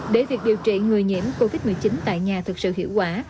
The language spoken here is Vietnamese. để việc điều trị người nhiễm covid một mươi chín tại nhà thực sự hiệu quả